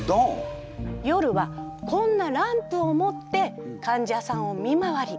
夜はこんなランプを持って患者さんを見回り。